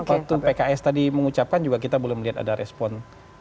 waktu pks tadi mengucapkan juga kita belum lihat ada respon